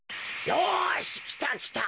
よしきたきた。